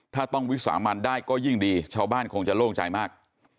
ถ้าต้องวิสามันได้ก็ยิ่งดีชาวบ้านคงจะโล่งใจมาก